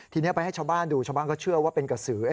ทีนี้ไปให้ชาวบ้านดูชาวบ้านก็เชื่อว่าเป็นกระสือ